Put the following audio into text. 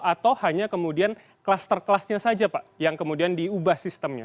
atau hanya kemudian kluster kelasnya saja pak yang kemudian diubah sistemnya